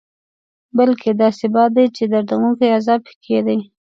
بلکې داسې باد دی چې دردوونکی عذاب پکې دی.